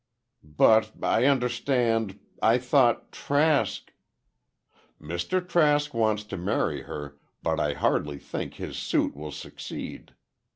"But I understood—I thought, Trask—" "Mr. Trask wants to marry her, but I hardly think his suit will succeed.